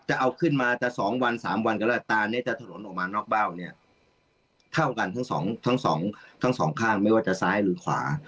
จะเอาขึ้นมาจะ๒วัน๓วันก็แล้วตาเนี่ยจะถลนออกมานอกเบ้าเนี่ยเท่ากันทั้งสองทั้งสองข้างไม่ว่าจะซ้ายหรือขวา